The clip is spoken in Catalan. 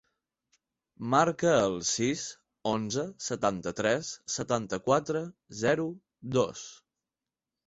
Marca el sis, onze, setanta-tres, setanta-quatre, zero, dos.